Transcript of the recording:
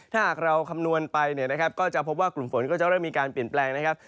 ถ้าหากเราคำนวณไปเนี่ยนะครับก็จะพบว่ากลุ่มฝนก็จะเริ่มมีการเปลี่ยนแปลงนะครับ